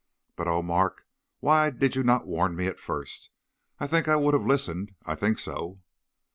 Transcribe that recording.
But, oh, Mark! why did you not warn me at first? I think I would have listened; I think so.'